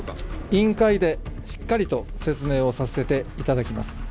委員会でしっかりと説明をさせていただきます。